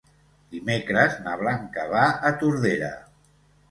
Dimecres na Blanca va a Tordera.